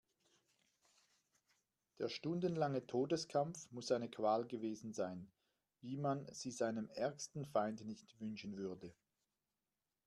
Der stundenlange Todeskampf muss eine Qual gewesen sein, wie man sie seinem ärgsten Feind nicht wünschen würde.